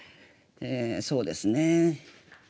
そうですね。